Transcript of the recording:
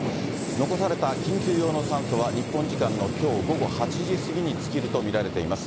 残された緊急用の酸素は、日本時間のきょう午後８時過ぎに尽きると見られています。